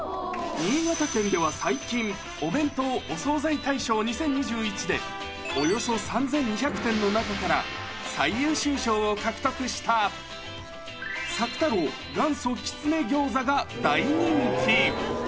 新潟県では最近、お弁当・お惣菜大賞２０２１で、およそ３２００点の中から、最優秀賞を獲得した、さくたろう元祖きつね餃子が大人気。